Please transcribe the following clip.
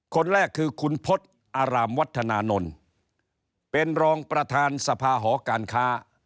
คนแรกคือคุณพฤษอารามวัฒนานนท์เป็นรองประธานสภาหอการค้า